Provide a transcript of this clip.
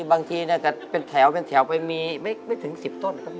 บางทีเป็นแถวไปมีไม่ถึงสิบต้น